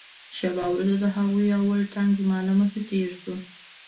شېبه وروسته د هغوى اول ټانک زما له مخې تېر سو.